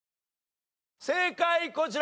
正解こちら！